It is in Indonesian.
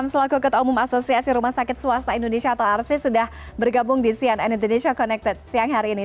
selaku ketua umum asosiasi rumah sakit swasta indonesia atau arsi sudah bergabung di cnn indonesia connected siang hari ini